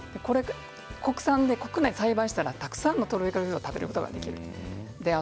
国産で国内で栽培したらたくさんのトロピカルフルーツが食べることができます。